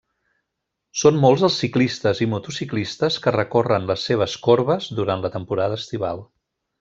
Són molts els ciclistes i motociclistes que recorren les seves corbes durant la temporada estival.